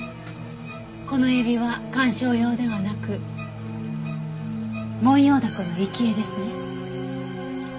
このエビは観賞用ではなくモンヨウダコの生き餌ですね？